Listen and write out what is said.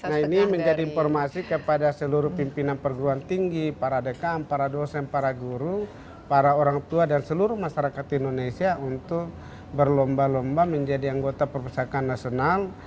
nah ini menjadi informasi kepada seluruh pimpinan perguruan tinggi para dekam para dosen para guru para orang tua dan seluruh masyarakat indonesia untuk berlomba lomba menjadi anggota perpustakaan nasional